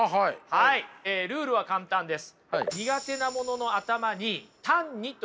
はいルールは簡単です。